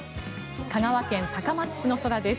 香川県高松市の空です。